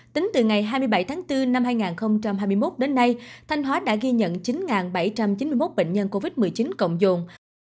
tính từ ngày hai mươi bảy tháng bốn năm hai nghìn hai mươi một đến nay thanh hóa đã ghi nhận chín bảy trăm chín mươi một bệnh nhân covid một mươi chín cộng dồn